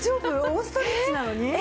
オーストリッチなのに？